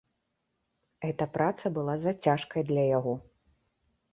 Гэта праца была зацяжкай для яго.